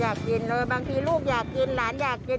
อยากกินเลยบางทีลูกอยากกินหลานอยากกิน